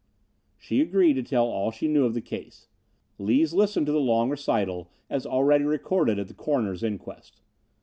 She agreed to tell all she knew of the case. Lees listened to the long recital as already recorded at the coroner's inquest.